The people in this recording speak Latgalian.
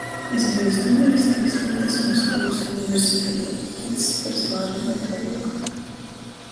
Jis beja studiejs tīslītys Moskovys universitatē, tics par zvārynuotu advokatu,